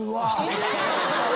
いやいや。